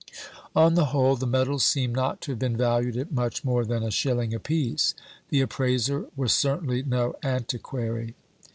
On the whole the medals seem not to have been valued at much more than a shilling a piece. The appraiser was certainly no antiquary.